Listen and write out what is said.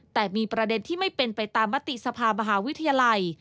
แต่มีประเด็นที่ไม่เป็นไปตามมติสภามหาวิทยาลัย